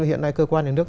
hiện nay cơ quan nhà nước